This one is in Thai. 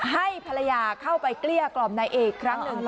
ให้ภรรยาเข้าไปเกลี้ยกล่อมนายเอกครั้งหนึ่ง